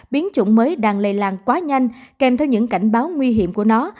biến chủng mới đang lây lan quá nhanh kèm theo những cảnh báo nguy hiểm của nó